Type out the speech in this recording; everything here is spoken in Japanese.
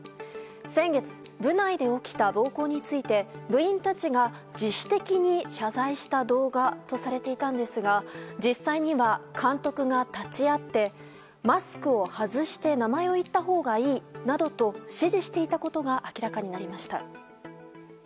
先月、部内で起きた暴行について部員たちが自主的に謝罪した動画とされていたんですが実際には監督が立ち会ってマスクを外して名前を言ったほうがいいなどと指示していたことが明らかになりました。